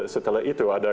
setelah itu ada